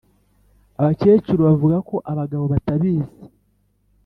abakecuru bavuga ko abagabo batabizi